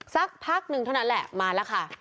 สักพักนึงเท่านั้นแหละมาแล้วค่ะ